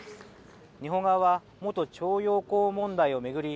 日本側は元徴用工問題を巡り